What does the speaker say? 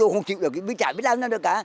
không chịu được chả biết làm sao được cả